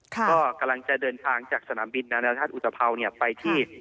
ก็กำลังจะเดินทางจากสนามบินนานาชาติอุตภาวไปที่